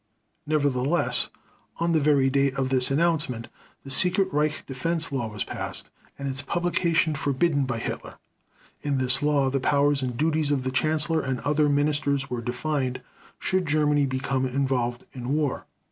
Nevertheless, on the very day of this announcement, the secret Reich Defense Law was passed and its publication forbidden by Hitler. In this law, the powers and duties of the Chancellor and other Ministers were defined, should Germany become involved in war.